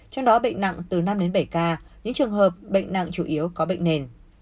trong đó bệnh nặng từ năm đến bảy ca những trường hợp bệnh nặng chủ yếu có bệnh nền